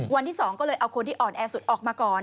วันที่๒ก็เลยเอาคนที่อ่อนแอสุดออกมาก่อน